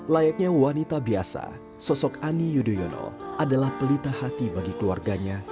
layaknya wanita biasa sosok ani yudhoyono adalah pelita hati bagi keluarganya